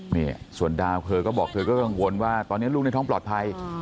นี่ส่วนดาวเธอก็บอกเธอก็กังวลว่าตอนนี้ลูกในท้องปลอดภัย